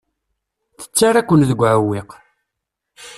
Tettarra-ken deg uɛewwiq.